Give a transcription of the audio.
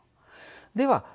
では